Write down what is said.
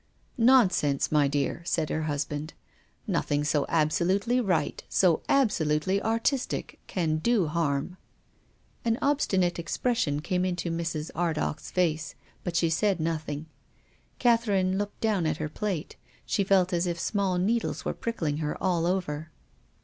" Nonsense, my dear," said her husband. " Nothing so absolutely right, so absolutely artistic, can do harm." An obstinate expression came into Mrs. Ar dagh's face, but she said nothing. Catherine looked down at her plate. She felt as if small needles were pricking her all over.